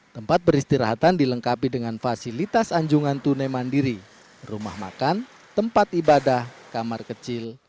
tempat beristirahatan dilengkapi dengan fasilitas anjungan tunai mandiri rumah makan tempat ibadah kamar kecil